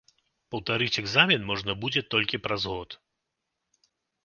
Паўтарыць экзамен можна будзе толькі праз год.